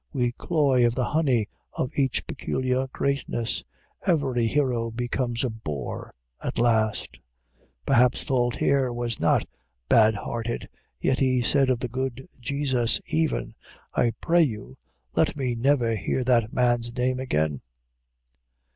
We cloy of the honey of each peculiar greatness. Every hero becomes a bore at last. Perhaps Voltaire was not bad hearted, yet he said of the good Jesus, even, "I pray you, let me never hear that man's name again."